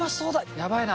やばいな。